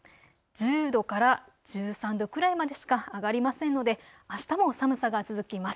１０度から１３度くらいまでしか上がりませんのであしたも寒さが続きます。